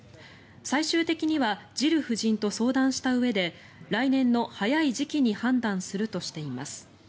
最終的にはジル夫人と相談したうえで来年の早い時期に判断するとしています。